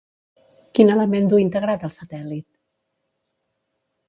Quin element du integrat el satèl·lit?